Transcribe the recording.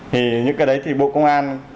thì những cái đấy thì bộ công an